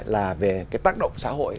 là về tác động xã hội